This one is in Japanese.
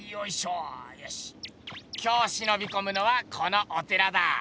今日しのびこむのはこのお寺だ！